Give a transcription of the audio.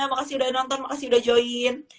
makasih udah nonton makasih udah join